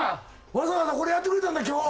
わざわざこれやってくれたんだ今日。